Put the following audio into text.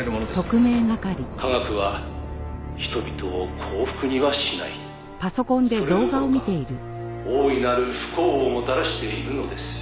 「科学は人々を幸福にはしない」「それどころか大いなる不幸をもたらしているのです」